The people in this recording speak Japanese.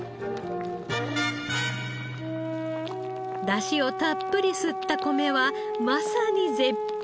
ダシをたっぷり吸った米はまさに絶品。